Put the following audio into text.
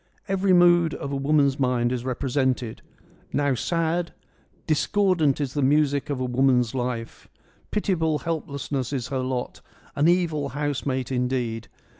Every mood of a woman's mind is represented : now sad —' Discordant is the music of a woman's life : pitiable helplessness is her lot, an evil housemate, indeed.